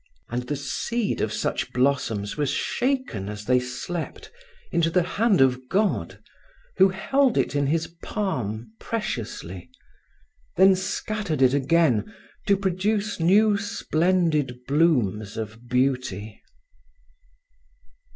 And the seed of such blossoms was shaken as they slept, into the hand of God, who held it in His palm preciously; then scattered it again, to produce new splendid blooms of beauty.